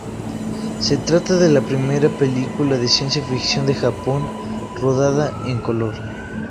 Se trata de la primera película de ciencia ficción de Japón rodada en color.